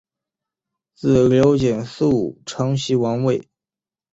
子刘景素承袭王位。